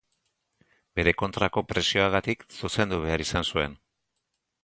Bere kontrako presioagatik zuzendu behar izan zuen.